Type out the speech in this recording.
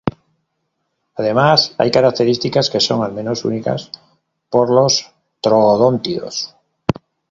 Además, hay características que son al menos únicas para los troodóntidos.